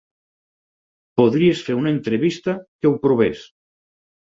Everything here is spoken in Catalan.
Podries fer una entrevista que ho provés.